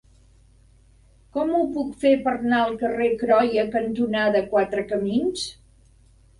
Com ho puc fer per anar al carrer Croia cantonada Quatre Camins?